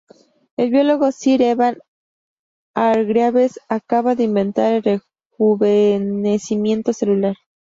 El biólogo Sir Evan Hargreaves acaba de inventar el rejuvenecimiento celular.